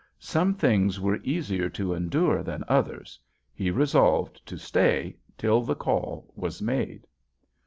Some things were easier to endure than others; he resolved to stay till the call was made.